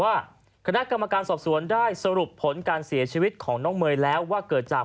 ว่าคณะกรรมการสอบสวนได้สรุปผลการเสียชีวิตของน้องเมย์แล้วว่าเกิดจาก